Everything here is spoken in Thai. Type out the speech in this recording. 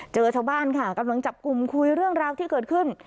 ชาวบ้านค่ะกำลังจับกลุ่มคุยเรื่องราวที่เกิดขึ้น